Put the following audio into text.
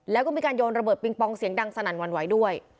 แล้วก็มีการโยนระเบิดปิงปองเสียงดังสนั่นหวั่นไหวด้วย